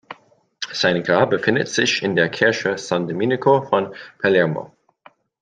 Sein Grab befindet sich in der Kirche "San Domenico" von Palermo.